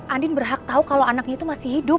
andin berhak tahu kalau anaknya itu masih hidup